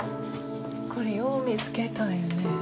これよう見つけたよね。